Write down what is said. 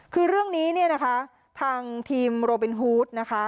คือเรื่องนี้ทางทีมโรเบนฮูส